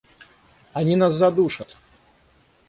— Они нас задушат!